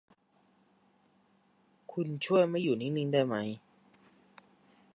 คุณช่วยไม่อยู่นิ่ง ๆ ได้มั้ย